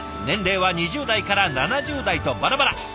年齢は２０代から７０代とバラバラ。